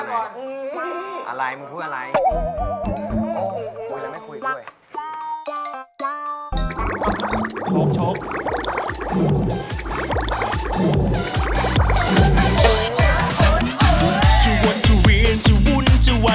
เท่าไหร่กูเปล่านี้